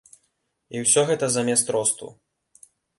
І ўсё гэта замест росту.